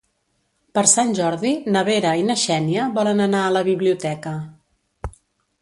Per Sant Jordi na Vera i na Xènia volen anar a la biblioteca.